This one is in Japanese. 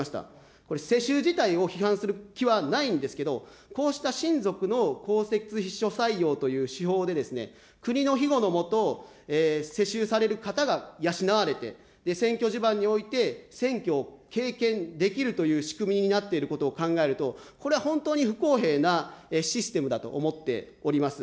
これ、世襲自体を批判する気はないんですけど、こうした親族の公設秘書採用という手法で、国の庇護の下、世襲される方が養われて、選挙地盤において選挙を経験できるという仕組みになっていることを考えると、これ、本当に不公平なシステムだと思っております。